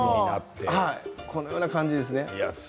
このような感じですね。